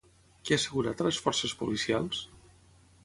Què ha assegurat a les forces policials?